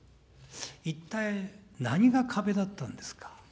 一体、何が壁だったんですか。